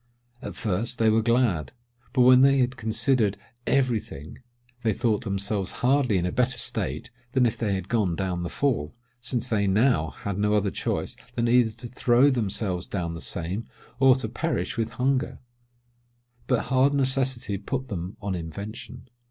At first, they were glad; but when they had considered every thing, they thought themselves hardly in a better state than if they had gone down the Fall, since they had now no other choice than either to throw themselves down the same, or to perish with hunger: but hard necessity put them on invention.